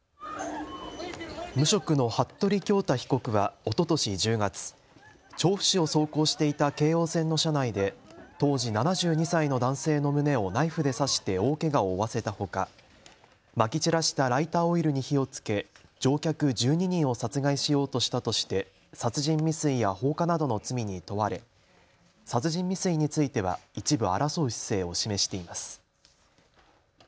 無職の服部恭太被告はおととし１０月、調布市を走行していた京王線の車内で当時、７２歳の男性の胸をナイフで刺して大けがを負わせたほか、まき散らしたライターオイルに火をつけ乗客１２人を殺害しようとしたとして殺人未遂や放火などの罪に問われ殺人未遂については一部争う姿勢を示しています。